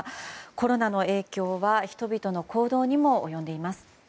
コロナの影響は人々の行動にも及んでいます。